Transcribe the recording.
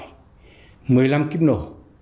một mươi năm kiếp nổ một hai kg vật liệu nổ